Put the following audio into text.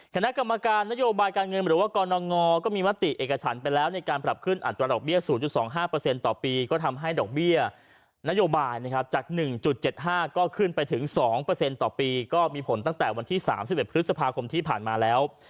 คณะกรรมการนโยบายการเงินหรือว่ากรณงก็มีมติเอกฉันไปแล้วในการปรับขึ้นอัตราดอกเบี้ย๐๒๕ต่อปีก็ทำให้ดอกเบี้ยนโยบายนะครับจาก๑๗๕ก็ขึ้นไปถึง๒ต่อปีก็มีผลตั้งแต่วันที่๓๑พฤษภาคมที่ผ่านมาแล้ว